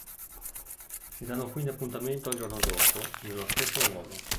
Si danno quindi appuntamento al giorno dopo nello stesso luogo.